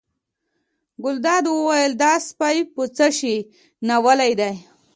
ګلداد وویل دا سپی په څه شي ناولی دی.